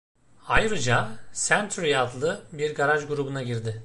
Ayrıca "Century" adlı bir garaj grubuna girdi.